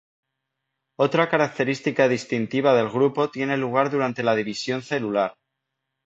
Otra característica distintiva del grupo tiene lugar durante la división celular.